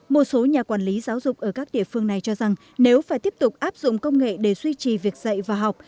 một số nhà quản lý giáo dục ở các địa phương này cho rằng nếu phải tiếp tục áp dụng công nghệ để duy trì việc dạy và học